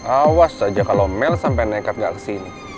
awas aja kalo mel sampai nekat gak kesini